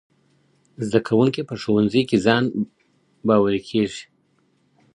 زدهکوونکي په ښوونځي کي ځان باوري کیږي.